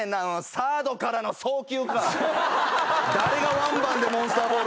サードからの送球。